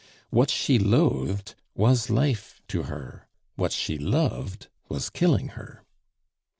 What she loathed was life to her, what she loved was killing her.